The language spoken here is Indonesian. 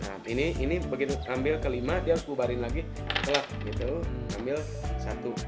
nah ini begitu ambil kelima dia kubarin lagi ambil satu